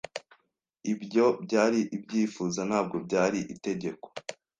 Ibyo byari ibyifuzo, ntabwo byari itegeko.